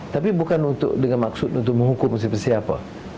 tapi bukan dengan maksud untuk menghukum siapa siapa